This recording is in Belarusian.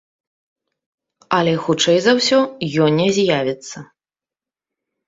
Але, хутчэй за ўсё, ён не з'явіцца.